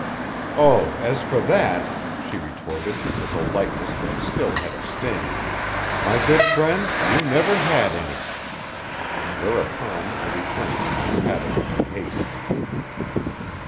"Oh, as for that," she retorted, with a lightness that still had a sting, "my good friend, you never had any." Whereupon I returned to my paddling in haste.